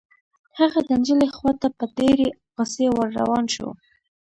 هغه د نجلۍ خوا ته په ډېرې غصې ور روان شو.